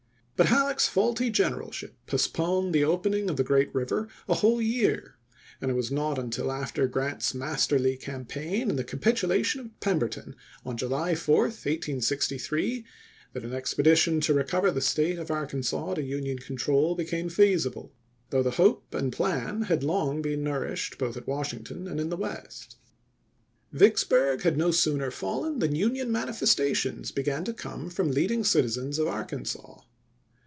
But Halleck's faulty generalship postponed the opening of the gi'eat river a whole year, and it was not until after Grant's masterly campaign and the capitulation of Pemberton on July 4, 1863, that an expedition to recover the State of Arkansas to Union control became feasible, though the hope and plan had long been nourished both at Washington and in the West. July 4, 1863. Vicksburg had no sooner fallen than Union man ifestations began to come from leading citizens of Arkansas.